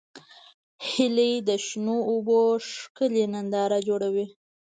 هیلۍ د شنو اوبو ښکلې ننداره جوړوي